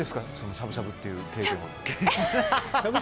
しゃぶしゃぶっていう経験は。